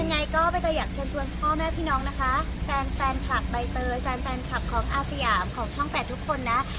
ยังไงก็ไปก็อยากเชิญชวนพ่อแม่พี่น้องนะคะแฟนคลับใบเตยแฟนคลับของอาเซียมของช่องแปดทุกคนนะ